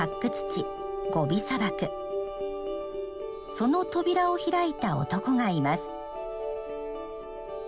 その扉を開いた男がいます。